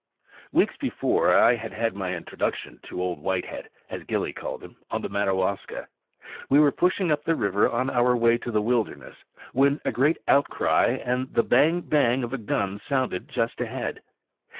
Weeks before, I had had my introduction to Old Whitehead, as Gillie called him, on the Madawaska. We were pushing up river on our way to the wilderness, when a great outcry and the bang bang of a gun sounded just ahead.